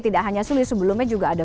tidak hanya sulit sebelumnya juga ada